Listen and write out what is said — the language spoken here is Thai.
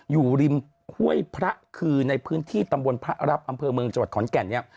อยู่ริมห้วยพระคือในพื้นที่ตำบลพระรับอำเภอเมืองจังหวัดขอนแก่นเนี่ย